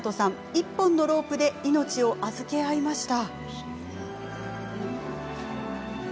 １本のロープで命を預け合いました。